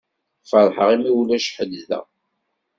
Ferḥeɣ imi ulac ḥedd da.